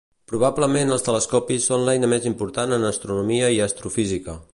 Probablement els telescopis són l'eina més important en astronomia i astrofísica.